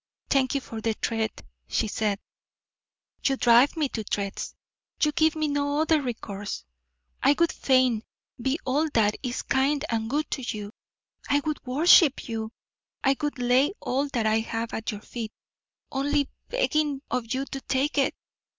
"Thank you for the threat," she said. "You drive me to threats, you give me no other recourse. I would fain be all that is kind and good to you; I would worship you; I would lay all that I have at your feet, only begging of you to take it.